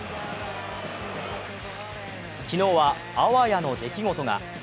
昨日は、あわやの出来事が。